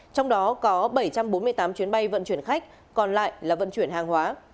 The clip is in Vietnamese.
trong đó có bảy trăm bốn mươi tám chuyến bay vận chuyển khách còn lại là vận chuyển hàng hóa